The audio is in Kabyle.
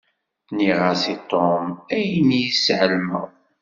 Nniɣ-as i Tom ayen iss i εelmeɣ.